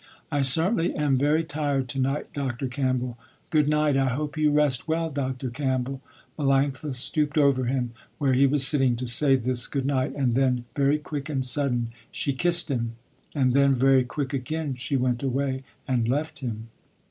"I certainly am very tired to night Dr. Campbell. Good night I hope you rest well Dr. Campbell." Melanctha stooped over him, where he was sitting, to say this good night, and then, very quick and sudden, she kissed him and then, very quick again, she went away and left him.